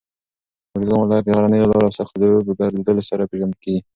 اروزګان ولایت د غرنیو لاره او سختو درو په درلودلو سره پېژندل کېږي.